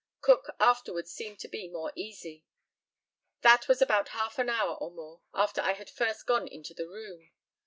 Cook afterwards seemed to be more easy. That was about half an hour or more after I had first gone into the room.